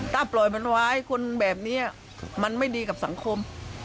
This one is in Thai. ถ้าปล่อยมันไว้คนแบบนี้มันไม่ดีกับสังคม